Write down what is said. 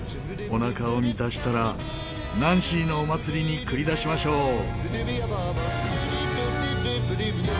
おなかを満たしたらナンシーのお祭りに繰り出しましょう。